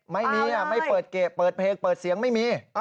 ไม่มีไม่เปิดเกะเปิดเพลงเปิดเสียงไม่มี